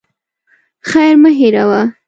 خير مه هېروه.